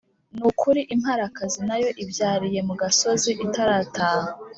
Ni ukuri imparakazi na yo ibyariye mu gasozi itarataha